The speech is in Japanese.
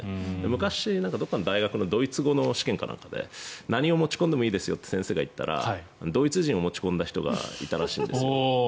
昔、どこかの大学のドイツ語の試験で何を持ち込んでもいいですよと言ったらドイツ人を持ち込んだ人がいたらしいんです。